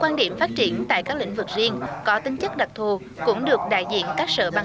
quan điểm phát triển tại các lĩnh vực riêng có tính chất đặc thù cũng được đại diện các sở ban